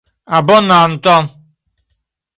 abonanto